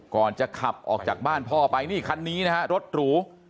ก่อนจะขับออกจากบ้านพ่อไปนี่คันนี้นะฮะรถหรู